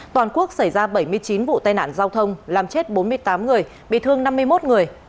toàn quốc xảy ra bảy mươi chín vụ tai nạn giao thông làm chết bốn mươi tám người bị thương năm mươi một người